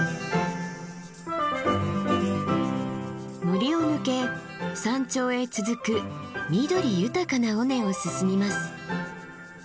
森を抜け山頂へ続く緑豊かな尾根を進みます。